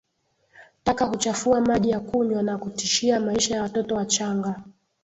Taka huchafua maji ya kunywa na kutishia maisha ya watoto wachanga